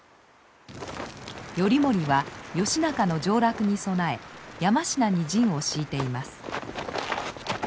頼盛は義仲の上洛に備え山科に陣を敷いています。